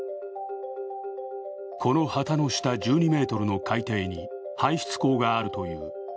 この旗の下１２ｍの海底に排出口があるという。